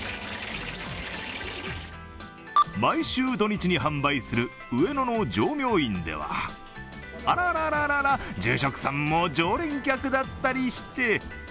毎週土日に販売する上野の浄名院ではあらあらあら、住職さんも常連客だったりして。